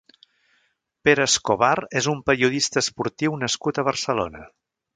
Pere Escobar és un periodista esportiu nascut a Barcelona.